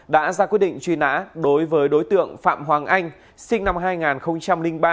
đã ra quyết định truy nã đối với đối tượng phạm hoàng anh sinh năm hai nghìn ba